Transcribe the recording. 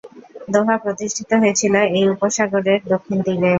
দোহা প্রতিষ্ঠিত হয়েছিল এই উপসাগরের দক্ষিণ তীরে।